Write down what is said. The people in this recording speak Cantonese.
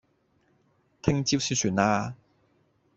聽朝先算啦